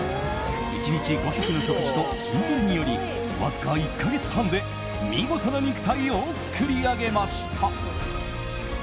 １日５食の食事と筋トレによりわずか１か月半で見事な肉体を作り上げました。